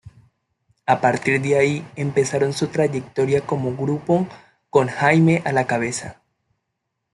A partir de ahí empezaron su trayectoria como grupo, con Jaime a la cabeza.